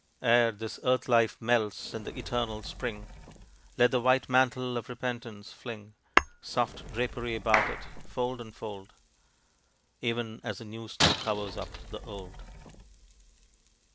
Ere this earth life melts in the eternal Spring Let the white mantle of repentance, fling Soft drapery about it, fold on fold, Even as the new snow covers up the old.